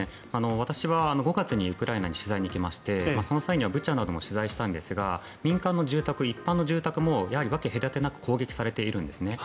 私は５月にウクライナに取材に行きましてその際にはブチャなども取材したんですが民間の住宅、一般の住宅もやはり分け隔てなく攻撃されているんですね。